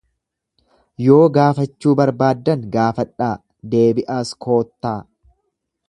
Yoo gaafachuu barbaaddan gaafadhaa, deebi'aas koottaa.